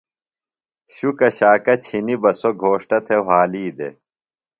شُکہ شاکہ چِھنیۡ بہ سوۡ گھوݜٹہ تھےۡ وھالی دےۡ۔